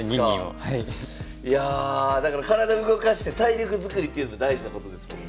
いやだから体動かして体力づくりっていうの大事なことですもんね。